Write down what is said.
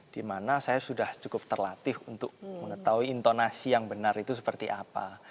dimana saya sudah cukup terlatih untuk mengetahui intonasi yang benar itu seperti apa